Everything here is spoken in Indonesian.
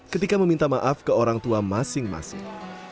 ketika meminta maaf ke orang tua masing masing